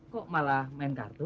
kok malah main kartu